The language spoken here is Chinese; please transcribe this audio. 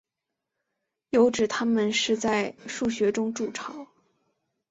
有指它们是在树穴中筑巢。